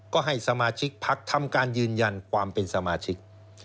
ก็ให้สมาชิกพักทำการยืนยันความเป็นสมาชิก